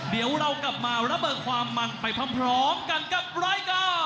เดี๋ยวเรากลับมาระเบิดความมันไปพร้อมกันกับรายการ